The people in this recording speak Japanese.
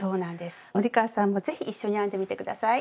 森川さんも是非一緒に編んでみて下さい。